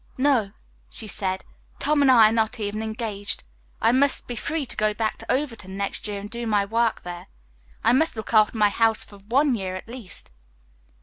"No," she said, "Tom and I are not even engaged. I must be free to go back to Overton next year to do my work there. I must look after my house for one year at least."